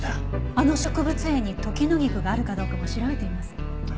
あの植物園にトキノギクがあるかどうかも調べてみます。